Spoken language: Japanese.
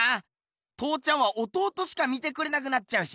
父ちゃんは弟しか見てくれなくなっちゃうしな。